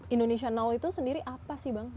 indonesia now itu sendiri apa sih bang